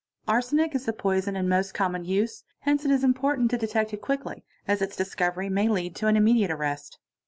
Arsenic is the poison in most common use, hence it is important to detect it quickly, as its discoyery may 'lead to an immediate arrest.